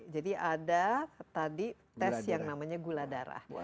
jadi ada tadi tes yang namanya gula darah